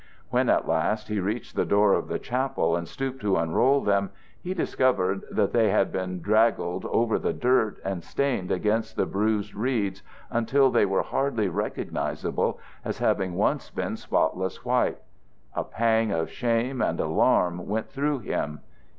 When at last he reached the door of the chapel and stooped to unroll them, he discovered that they had been draggled over the dirt and stained against the bruised weeds until they were hardly recognizable as having once been spotless white. A pang of shame and alarm went through him.